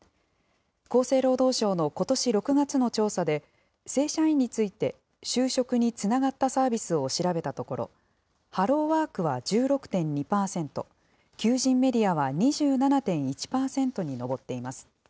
厚生労働省のことし６月の調査で、正社員について就職につながったサービスを調べたところ、ハローワークは１６．２％、求人メディアは２７．１％に上っています。